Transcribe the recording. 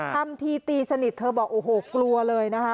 ทำทีตีสนิทเธอบอกโอ้โหกลัวเลยนะคะ